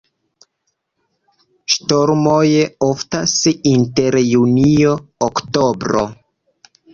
Ŝtormoj oftas inter junio-oktobro.